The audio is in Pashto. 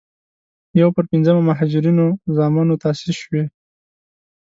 یو پر پينځمه مهاجرینو زامنو تاسیس شوې.